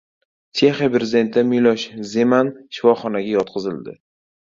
Chexiya prezidenti Milosh Zeman shifoxonaga yotqizildi